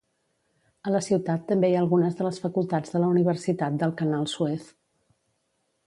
A la ciutat també hi ha algunes de les facultats de la Universitat del Canal Suez.